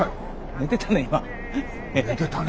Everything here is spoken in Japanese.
寝てたね